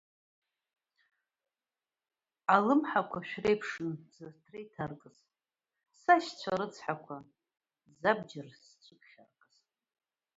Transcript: Алымқәа шәреиԥшын, зыҭра иҭаркыз, сашьцәа рыцҳақәа, забџьар зцәыԥхьаркыз…